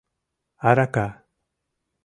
— Арака!